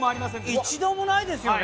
一度もないですよね！